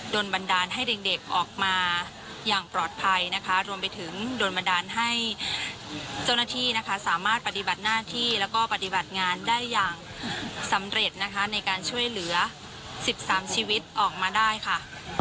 บันดาลให้เด็กออกมาอย่างปลอดภัยนะคะรวมไปถึงโดนบันดาลให้เจ้าหน้าที่นะคะสามารถปฏิบัติหน้าที่แล้วก็ปฏิบัติงานได้อย่างสำเร็จนะคะในการช่วยเหลือ๑๓ชีวิตออกมาได้ค่ะ